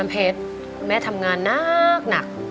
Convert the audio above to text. น้ำเพชรแม่ทำงานนักหนัก